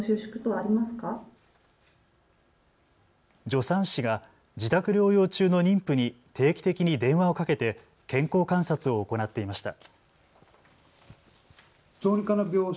助産師が自宅療養中の妊婦に定期的に電話をかけて健康観察を行っていました。